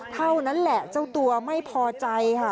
เท่านั้นแหละเจ้าตัวไม่พอใจค่ะ